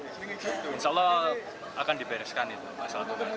insya allah akan dibereskan itu